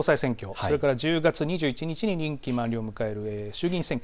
それから１０月２１日に任期満了を迎える衆議院選挙。